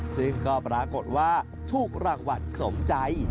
ซึ่งก็ปรากฏว่าถูกรางวัลสมใจ